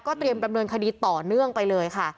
เตรียมดำเนินคดีต่อเนื่องไปเลยค่ะ